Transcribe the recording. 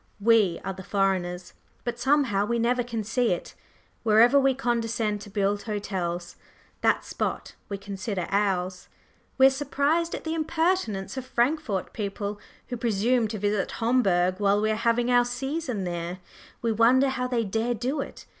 We are the foreigners; but somehow we never can see it. Wherever we condescend to build hotels, that spot we consider ours. We are surprised at the impertinence of Frankfort people who presume to visit Homburg while we are having our "season" there; we wonder how they dare do it!